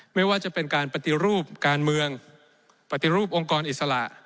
ไม่ว่าจะเป็นการปฏิรูปการเมืองปฏิรูปองค์กรอิสระ